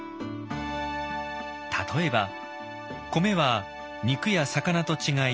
例えば米は肉や魚と違い